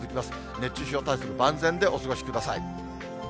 熱中症対策、万全でお過ごしください。